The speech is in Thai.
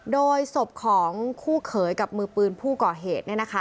โดยศพของคู่เขยกับมือปืนผู้ก่อเหตุ